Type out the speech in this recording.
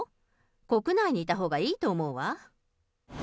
国内にいたほうがいいと思うわ。